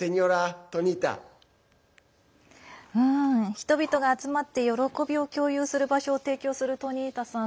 人々が集まって喜びを共有する場所を提供するトニータさん